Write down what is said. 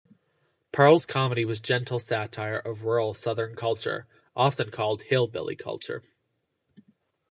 Pearl's comedy was gentle satire of rural Southern culture, often called "hillbilly" culture.